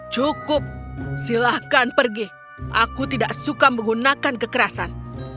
cukup silahkan pergi aku tidak suka menggunakan kekerasan